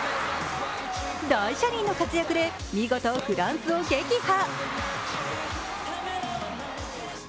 大車輪の活躍で見事フランスを撃破。